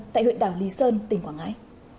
tại huyện đảo lý sơn tỉnh quảng ngãi